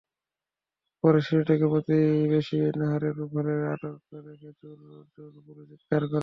পরে শিশুটিকে প্রতিবেশী নাহারের ঘরে আটক রেখে চোর চোর বলে চিৎকার করেন।